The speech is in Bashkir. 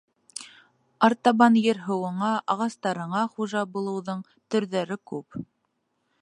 Артабан ер-һыуыңа, ағастарыңа хужа булыуҙың төрҙәре күп.